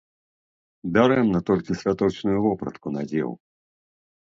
Дарэмна толькі святочную вопратку надзеў.